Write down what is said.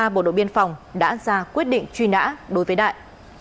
bộ đội biên phòng đã ra quyết định truy nã đối với đại